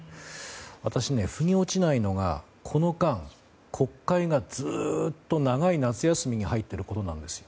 私、腑に落ちないのがこの間、国会がずっと長い夏休みに入ってることなんですよ。